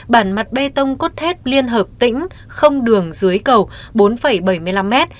bản mặt bê tông cốt thép liên hợp tĩnh không đường dưới cầu bốn bảy mươi năm m